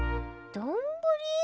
どんぶり？